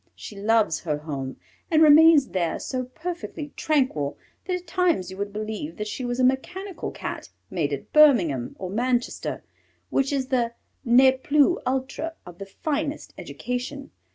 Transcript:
She loves her home and remains there so perfectly tranquil that at times you would believe that she was a mechanical Cat made at Birmingham or Manchester, which is the ne plus ultra of the finest education."